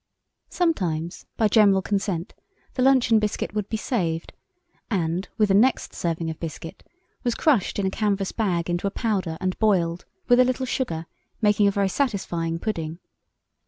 Sometimes, by general consent, the luncheon biscuit would be saved, and, with the next serving of biscuit, was crushed in a canvas bag into a powder and boiled, with a little sugar, making a very satisfying pudding.